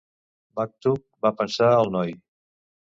"Maktub", va pensar el noi.